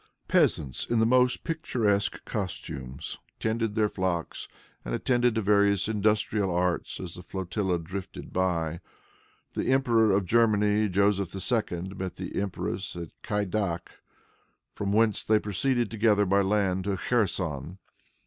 Peasants, in the most picturesque costumes, tended their flocks, or attended to various industrial arts as the flotilla drifted by. The Emperor of Germany, Joseph II., met the empress at Kaidak, from whence they proceeded together, by land, to Kherson.